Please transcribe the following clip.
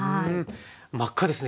真っ赤ですね